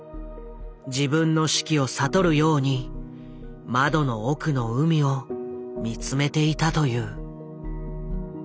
自分の死期を悟るように窓の奥の海を見つめていたという。